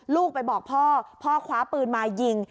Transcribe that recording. ลูกไปบอกพ่อพ่อคว้าปืนมายิง